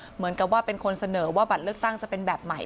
เหมือนกับว่าเป็นคนเสนอว่าบัตรเลือกตั้งจะเป็นแบบใหม่